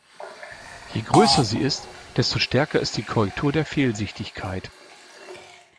Je größer sie ist, desto stärker ist die Korrektur der Fehlsichtigkeit.